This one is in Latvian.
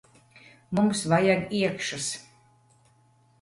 Mums vajag iekšas.